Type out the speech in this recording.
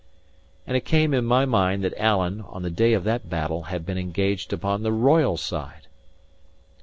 And it came in my mind that Alan, on the day of that battle, had been engaged upon the royal side.